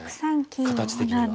形的には。